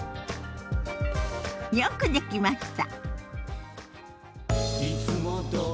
よくできました。